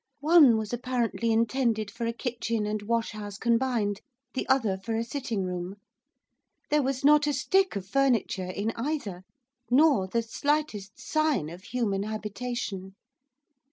One was apparently intended for a kitchen and wash house combined, the other for a sitting room. There was not a stick of furniture in either, nor the slightest sign of human habitation.